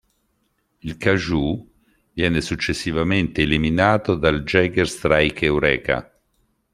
Il Kaijū viene successivamente eliminato dallo Jaeger Striker Eureka.